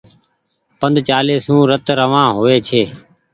پند چآلي سون رت روآن هووي ڇي۔